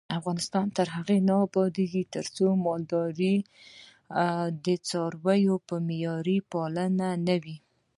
افغانستان تر هغو نه ابادیږي، ترڅو مالداري د څارویو په معیاري پالنه نه وي.